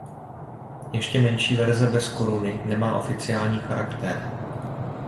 Ještě menší verze bez koruny nemá oficiální charakter.